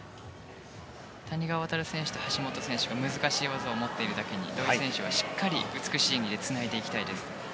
谷川航選手と橋本選手が難しい技を持っているだけに土井選手はしっかり美しい演技でつないでいきたいです。